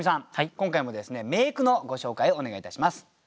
今回も名句のご紹介をお願いいたします。